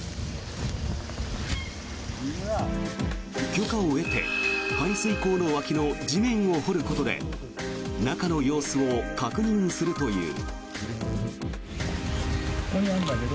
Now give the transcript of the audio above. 許可を得て排水溝の脇の地面を掘ることで中の様子を確認するという。